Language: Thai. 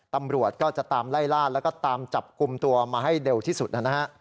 ตำรวจก็จะตามไล่ล่าแล้วก็ตามจับกลุ่มตัวมาให้เร็วที่สุดนะฮะ